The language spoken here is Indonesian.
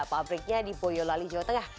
pabriknya di boyolali jawa tengah